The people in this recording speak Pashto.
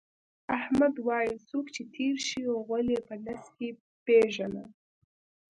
احمد وایي: څوک چې تېر شي، غول یې په نس کې پېژنم.